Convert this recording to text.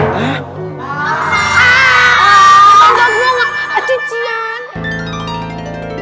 tidak boleh ada cucian